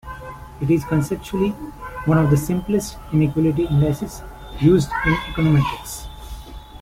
It is conceptually one of the simplest inequality indices used in econometrics.